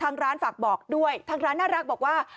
ทางร้านฝากบอกด้วยทางร้านน่ารักบอกว่า